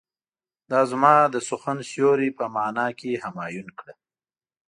دا زما د سخن سيوری په معنی کې همایون کړه.